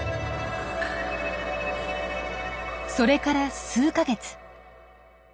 それから数か月。